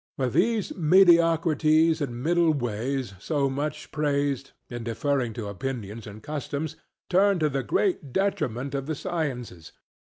But these mediocrities and middle ways so much praised, in deferring to opinions and customs, turn to the great detriment of the sciences.